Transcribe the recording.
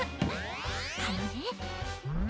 あのね。